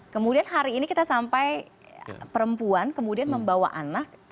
kemudian hari ini kita sampai perempuan kemudian membawa anak